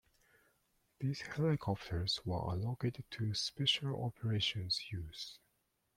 These helicopters were allocated to special operations use.